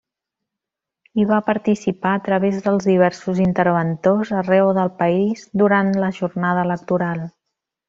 Hi va participar a través dels diversos interventors arreu del país durant la jornada electoral.